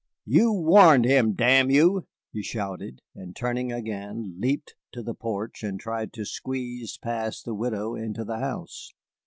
"You warned him, damn you!" he shouted, and turning again leaped to the porch and tried to squeeze past the widow into the house.